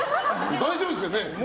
大丈夫ですよね？